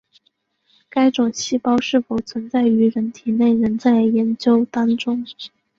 该种细胞是否存在于人体内仍在研究当中。